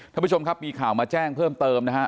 ท่านผู้ชมครับมีข่าวมาแจ้งเพิ่มเติมนะฮะ